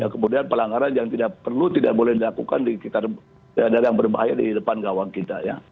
kemudian pelanggaran yang tidak perlu tidak boleh dilakukan di sekitar daerah yang berbahaya di depan gawang kita ya